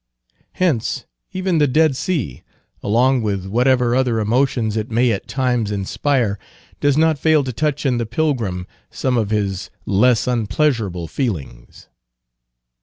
Hence, even the Dead Sea, along with whatever other emotions it may at times inspire, does not fail to touch in the pilgrim some of his less unpleasurable feelings.